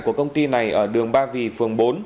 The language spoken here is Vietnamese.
của công ty này ở đường ba vì phường bốn